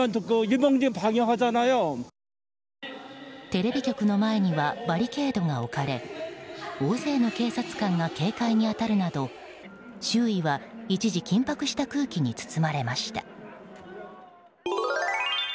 テレビ局の前にはバリケードが置かれ大勢の警察官が警戒に当たるなど周囲は一時、緊迫した空気に包まれました。